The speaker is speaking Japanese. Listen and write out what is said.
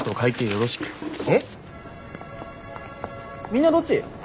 みんなどっち？